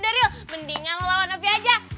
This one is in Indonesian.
udah riel mendingan lo lawan novi aja